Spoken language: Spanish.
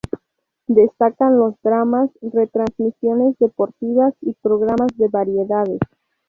Destacan los dramas, retransmisiones deportivas y programas de variedades.